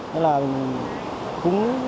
nên là cũng